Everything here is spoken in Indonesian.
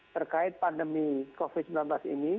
terkait pandemi covid sembilan belas ini